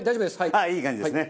あっいい感じですね。